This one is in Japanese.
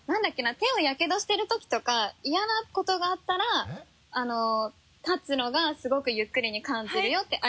手をやけどしてる時とか嫌なことがあったらたつのがすごくゆっくりに感じるよって。